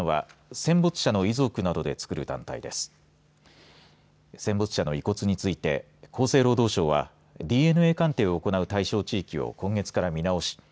戦没者の遺骨について厚生労働省はＤＮＡ鑑定を行う対象地域を今月から見直し